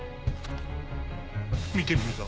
見てみるぞ。